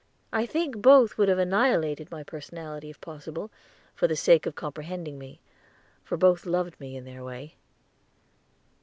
I think both would have annihilated my personality if possible, for the sake of comprehending me, for both loved me in their way.